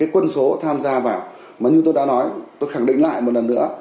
quân số tham gia vào mà như tôi đã nói tôi khẳng định lại một lần nữa